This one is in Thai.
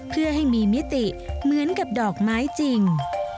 เพื่อให้มีมิติเหมือนกับดอกไม้จริง